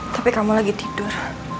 tapi kamu lagi tidur